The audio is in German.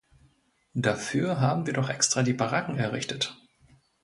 Dafür haben wir doch extra die Baracken errichtet.